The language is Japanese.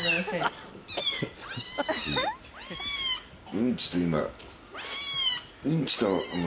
うんちと今。